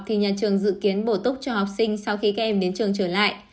thì nhà trường dự kiến bổ túc cho học sinh sau khi các em đến trường trở lại